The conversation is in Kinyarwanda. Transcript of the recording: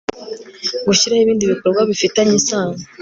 gushyiraho ibindi bikorwa bifitanye isano